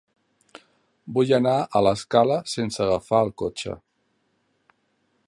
Vull anar a l'Escala sense agafar el cotxe.